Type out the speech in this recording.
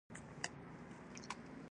پر سینه یې بهاند سیند روان و.